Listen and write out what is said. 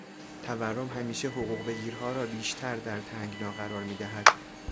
تورم همیشه حقوقبگیرها را بیشتر در تنگنا قرار میدهد.